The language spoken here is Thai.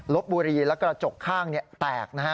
บุรีและกระจกข้างแตกนะฮะ